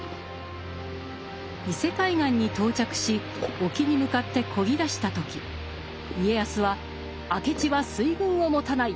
伊勢海岸に到着し沖に向かってこぎだした時家康は「明智は水軍を持たない。